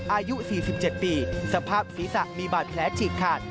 อายุ๔๗ปีสภาพศีรษะมีบาดแผลฉีกขาด